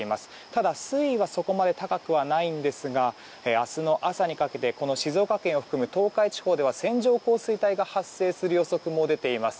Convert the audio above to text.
ただ、水位はそこまで高くはないんですが明日の朝にかけてこの静岡県を含む東海地方では線状降水帯が発生する予測も出ています。